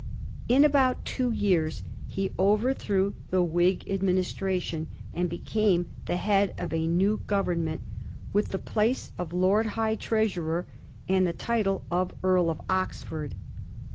In about two years he overthrew the Whig administration, and became the head of a new Grovemment, with the place of Lord High Treasurer, and the title of Earl of Oxford.